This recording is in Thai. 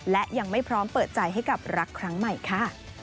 และยังไม่พร้อมเปิดใจให้กับรักครั้งใหม่ค่ะ